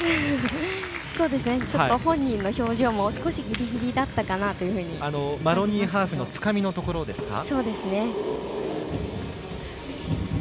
ちょっと本人の表情も少しギリギリだったかなマロニーハーフのつかみのところですか。